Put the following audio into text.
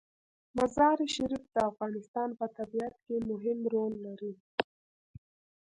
مزارشریف د افغانستان په طبیعت کې مهم رول لري.